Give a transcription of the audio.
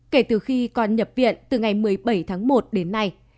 kể từ khi còn nhập viện từ ngày một mươi bảy tháng một đến nay